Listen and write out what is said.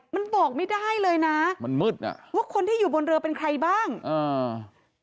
มันบอกไม่ได้เลยนะมันมืดน่ะว่าคนที่อยู่บนเรือเป็นใครบ้างอ่า